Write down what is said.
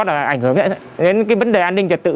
đã ảnh hưởng đến vấn đề an ninh trật tự